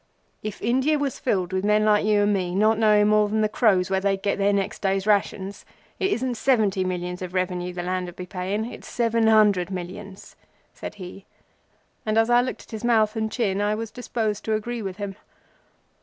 "If India was filled with men like you and me, not knowing more than the crows where they'd get their next day's rations, it isn't seventy millions of revenue the land would be paying—it's seven hundred million," said he; and as I looked at his mouth and chin I was disposed to agree with him.